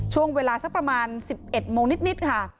ช่วงเวลาสักประมาณ๑๑โมงนิดค่ะ